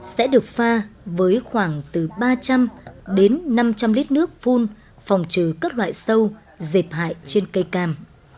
sẽ được pha với khoảng từ ba trăm linh đến năm trăm linh lít nước phun phòng trừ các loại sâu dẹp hại trên cây cam